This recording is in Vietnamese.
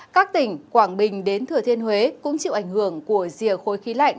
các tỉnh quảng bình đến thừa thiên huế cũng chịu ảnh hưởng của rìa khối khí lạnh